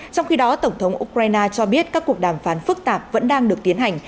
trong khi đó tổng thống ukraine cho biết các cuộc đàm phán phức tạp vẫn đang được tiến hành